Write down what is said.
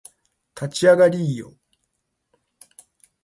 立ち上がりーよ